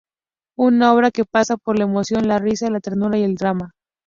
Una obra que pasa por la emoción, la risa, la ternura y el drama.